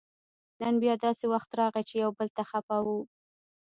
نن بیا داسې وخت راغی چې یو بل ته خپه وو